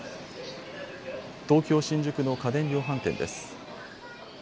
東京新宿の家電量販店です。